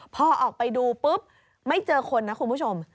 พอออกไปดูปุ๊บไม่เจอคนนะคุณผู้ชม